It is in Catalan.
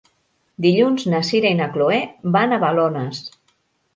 Dilluns na Sira i na Chloé van a Balones.